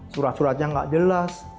surat suratnya tidak jelas